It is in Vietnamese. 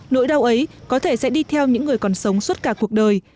nỗi đau ấy có thể sẽ đi theo những người còn sống suốt cả cuộc đời